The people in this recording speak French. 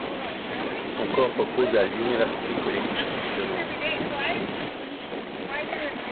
Son corps repose à l’University College de Londres.